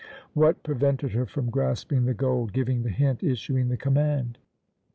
What prevented her from grasping the gold, giving the hint, issuing the command?